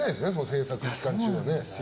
制作期間中は。